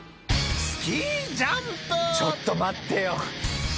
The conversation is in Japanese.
「ちょっと待ってよ」